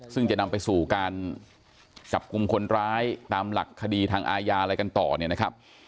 ซึ่งจะนำไปสู่การจับกลุ่มคนร้ายตามหลักคดีทางอาญาอะไรกันต่อเนี่ยนะครับ